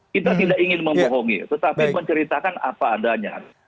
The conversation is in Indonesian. kita tidak ingin membohongi tetapi menceritakan apa adanya